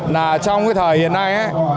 là trong cái thời hiện nay